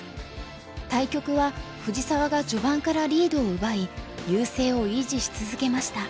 対局は藤沢が序盤からリードを奪い優勢を維持し続けました。